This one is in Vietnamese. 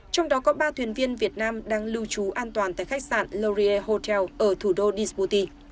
trong đó có ba thuyền viên việt nam đang lưu trú an toàn tại khách sạn laurier hotel ở thủ đô desputi